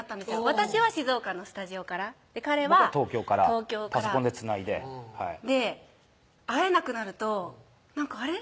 私は静岡のスタジオから僕は東京からパソコンでつないでで会えなくなるとなんかあれ？